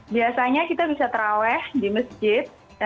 biasanya kita bisa terawih di masjid